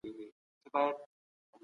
هغه ډېوه د نيمو شپو ده